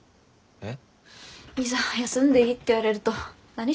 えっ？